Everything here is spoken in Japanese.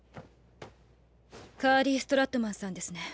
カーリー・ストラットマンさんですね。